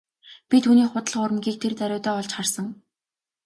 Би түүний худал хуурмагийг тэр даруйдаа олж харсан.